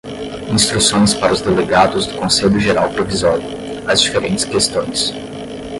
Instruções para os Delegados do Conselho Geral Provisório. As Diferentes Questões